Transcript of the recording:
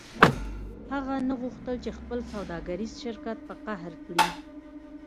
هغه نه غوښتل چې خپل سوداګریز شریک په قهر کړي